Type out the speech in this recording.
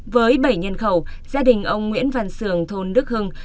với bảy nhân khẩu gia đình ông nguyễn văn sườn thôn đức hưng